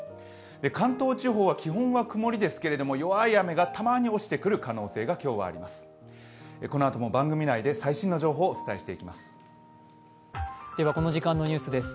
関東地方は基本は曇りですけど弱い雨がたまに落ちてくる可能性が今日はあります。